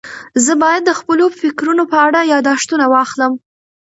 زه باید د خپلو فکرونو په اړه یاداښتونه واخلم.